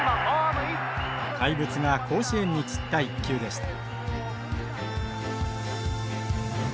怪物が甲子園に散った一球でした。